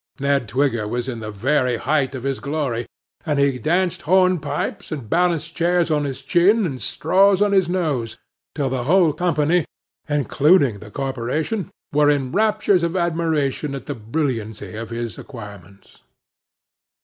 Ned Twigger was in the very height of his glory, and he danced hornpipes, and balanced chairs on his chin, and straws on his nose, till the whole company, including the corporation, were in raptures of admiration at the brilliancy of his acquirements.